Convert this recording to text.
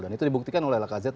dan itu dibuktikan oleh lacazette